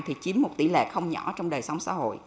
thì chiếm một tỷ lệ không nhỏ trong đời sống xã hội